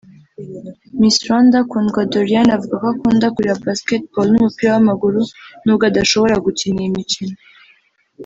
Miss Rwanda Kundwa Doriane avuga ko akunda kureba Basketball n’umupira w’amaguru nubwo adashobora gukina iyi mikino